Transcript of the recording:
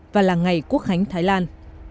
và là ngày quốc hành thái lan